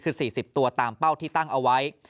คือ๔๐ตัวตามเป้าที่ตั้งเอาไว้